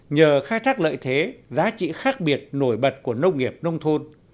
nhờ khai thác lợi thế giá trị khác biệt nổi bật của nông nghiệp nông thôn